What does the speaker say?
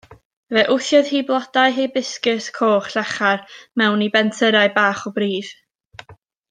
Fe wthiodd hi flodau hibiscus coch llachar mewn i bentyrrau bach o bridd.